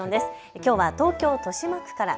きょうは東京豊島区から。